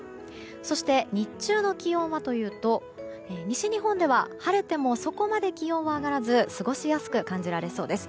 そして日中の気温はというと西日本では、晴れてもそこまで気温は上がらず過ごしやすく感じられそうです。